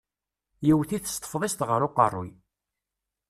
Yewwet-it s tefḍist ɣer uqeṛṛuy.